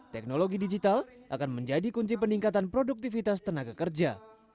teknologi digital akan menjadi kunci peningkatan produktivitas tenaga kerja